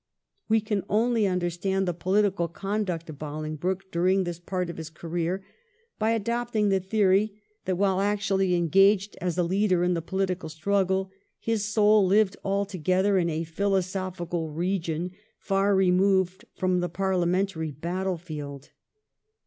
We can only understand the political conduct of Bolingbroke during this part of his career, by adopt ing the theory that while actually engaged as a leader in the political struggle his soul lived altogether in a philosophical region far removed from the parliamen tary battlefield.